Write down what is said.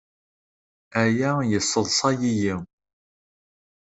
Aya yesseḍsay-iyi.